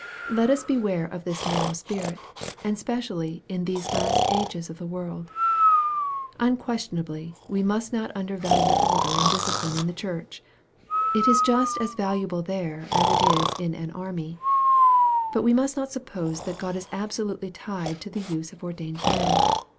Let us beware of this narrow spirit, and specially in these last ages of the world. Unquestionably we must not undervalue order and discipline in the church. It is just as valuable there as it is in an army. But we must not suppose that God is absolutely tied to the use of ordained men.